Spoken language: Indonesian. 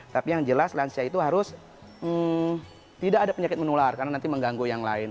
tapi yang jelas lansia itu harus tidak ada penyakit menular karena nanti mengganggu yang lain